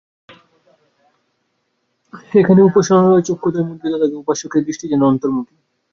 এখানে উপাসনায় চক্ষুদ্বয় মুদ্রিত থাকে, উপাসকের দৃষ্টি যেন অন্তর্মুখী।